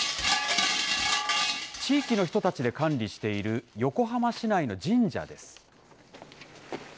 地域の人たちで管理している横浜市内の神社です。